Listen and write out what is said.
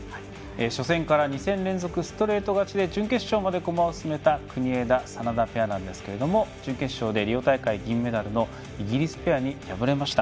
初戦から２戦連続ストレート勝ちで準決勝まで駒を進めた国枝、眞田ペアですが準決勝でイギリスペアに敗れました。